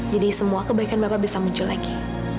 jadi semua kebaikan bapak bisa muncul lagi